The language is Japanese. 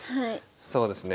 はいそうですね。